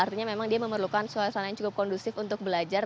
artinya memang dia memerlukan suasana yang cukup kondusif untuk belajar